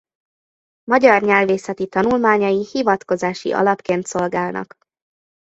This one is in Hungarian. Magyar nyelvészeti tanulmányai hivatkozási alapként szolgálnak.